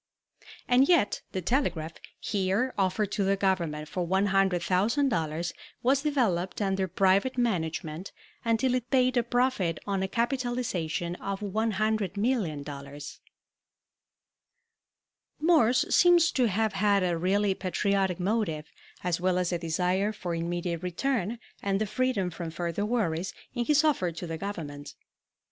And yet the telegraph, here offered to the Government for $100,000, was developed under private management until it paid a profit on a capitalization of $100,000,000. Morse seems to have had a really patriotic motive, as well as a desire for immediate return and the freedom from further worries, in his offer to the Government.